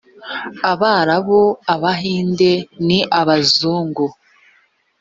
abarabu, abahinde ni abazungu